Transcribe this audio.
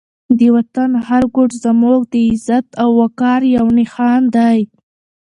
د وطن هر ګوټ زموږ د عزت او وقار یو نښان دی.